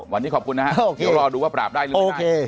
วันนี้ขอบคุณนะครับเดี๋ยวรอดูว่าปราบได้หรือไม่